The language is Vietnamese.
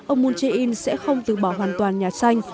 ông moon jae in sẽ không từ bỏ hoàn toàn nhà xanh